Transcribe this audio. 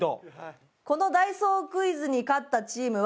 このダイソークイズに勝ったチームは。